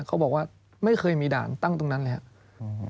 เขาบอกว่าไม่เคยมีด่านตั้งตรงนั้นเลยครับ